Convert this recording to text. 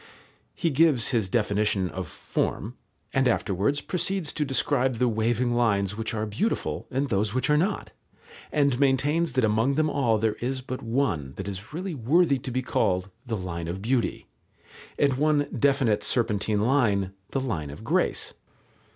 He gives his definition of form, and afterwards proceeds to describe the waving lines which are beautiful and those which are not, and maintains that among them all there is but one that is really worthy to be called "the line of beauty," and one definite serpentine line "the line of grace."